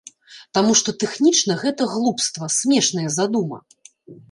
Таму што тэхнічна гэта глупства, смешная задума.